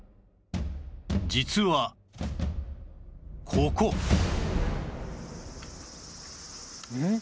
実はここん？